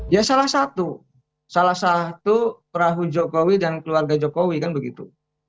ya salah satu salah satu perahu jokowi dan keluarga jokowi kan begitu